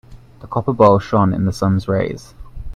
The copper bowl shone in the sun's rays.